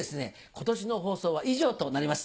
今年の放送は以上となります。